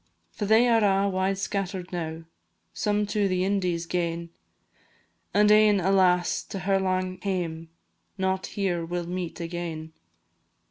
For they are a' wide scatter'd now, Some to the Indies gane, And ane, alas! to her lang hame; Not here we 'll meet again.